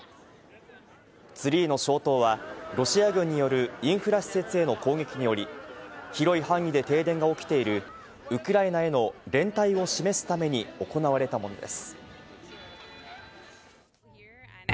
ツリーの消灯はロシア軍によるインフラ施設への攻撃により、広い範囲で停電が起きているウクライナへの連帯を示すために行われたものです。